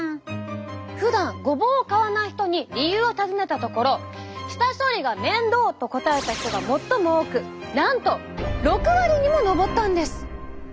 ふだんごぼうを買わない人に理由を尋ねたところ「下処理が面倒」と答えた人が最も多くなんと６割にも上ったんです。